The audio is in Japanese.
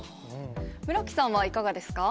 村木さんはいかがですか？